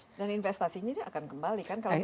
dan investasinya dia akan kembali kan